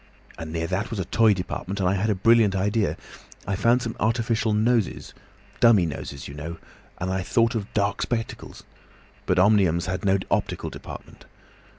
And near that was a toy department, and I had a brilliant idea. I found some artificial noses—dummy noses, you know, and I thought of dark spectacles. But Omniums had no optical department.